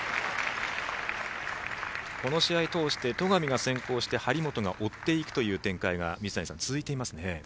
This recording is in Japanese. この試合通して、戸上が先行して張本が追っていくという展開が水谷さん、続いていますね。